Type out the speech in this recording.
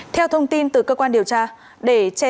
theo thông tin từ cơ quan điều tra để che giá